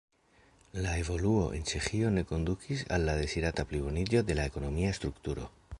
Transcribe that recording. La evoluo en Ĉeĥio ne kondukis al la dezirata pliboniĝo de la ekonomia strukturo.